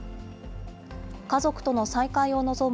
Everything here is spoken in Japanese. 家族との再会を望む